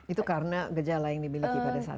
itu karena gejala yang dimiliki pada saat itu